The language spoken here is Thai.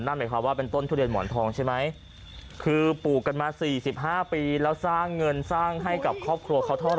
นั่นหมายความว่าเป็นต้นทุเรียนหมอนทองใช่ไหมคือปลูกกันมา๔๕ปีแล้วสร้างเงินสร้างให้กับครอบครัวเขาเท่าไ